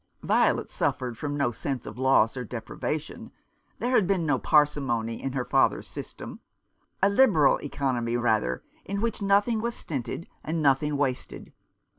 Violet suffered from no sense of loss or depriva tion. There had been no parsimony in her fathers system ; a liberal economy, rather, in which Nineteenth century Crusaders. nothing was stinted and nothing wasted.